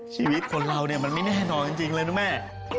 ชีวิตคนเราเนี่ยมันไม่แน่นอนจริงเลยนะแม่